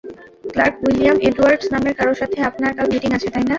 Clerk William Edwards নামের কারো সাথে আপনার কাল মিটিং আছে তাই না?